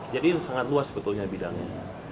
jadi sangat luas sebetulnya bidangnya